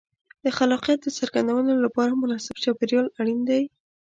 د خلاقیت د څرګندولو لپاره مناسب چاپېریال اړین دی.